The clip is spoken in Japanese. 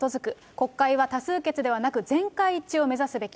国会は多数決ではなく、全会一致を目指すべき。